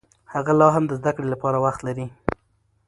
هغه لا هم د زده کړې لپاره وخت لري.